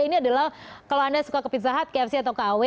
ini adalah kalau anda suka ke pizza hut kfc atau kw